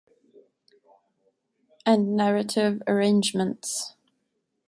And narrative arrangements